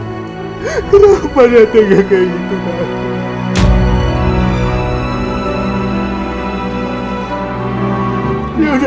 kenapa dia tengah kayak gitu nanti